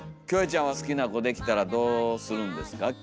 キョエちゃんは好きな子できたらどうするんですか？